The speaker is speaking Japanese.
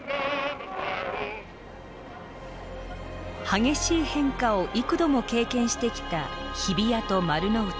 激しい変化を幾度も経験してきた日比谷と丸の内。